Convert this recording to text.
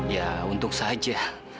ya untung saja